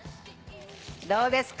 どうですか？